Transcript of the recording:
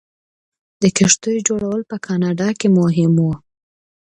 د کښتیو جوړول په کاناډا کې مهم و.